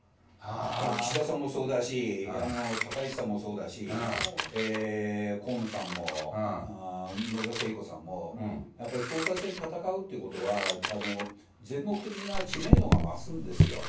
岸田さんもそうだし、高市さんもそうだし、河野さんも、野田聖子さんも、やっぱり総裁選戦うということは、全国的な知名度が増すんですよ。